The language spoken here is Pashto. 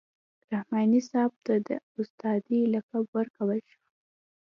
رحماني صاحب ته د استادۍ لقب ورکول شوی.